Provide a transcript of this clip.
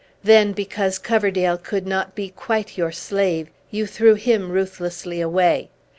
Then, because Coverdale could not be quite your slave, you threw him ruthlessly away.